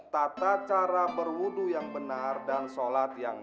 tata cara berwudhu yang benar dan sholat yang be